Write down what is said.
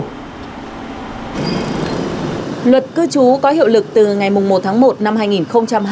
luật cư trú có hiệu lực từ ngày một tháng một năm hai nghìn hai mươi